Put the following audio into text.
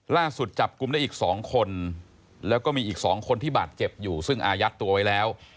ล่าสุดจับกลุ่มได้อีก๒คนแล้วก็มีอีก๒คนที่บาดเจ็บอยู่ซึ่งอายัดตัวไว้แล้ว